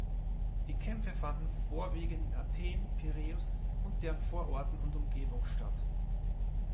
Die Kämpfe fanden vorwiegend in Athen, Piräus und deren Vororten und Umgebung statt.